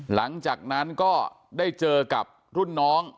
หลังจากนั้นก็ได้เจอกับรุ่นน้อง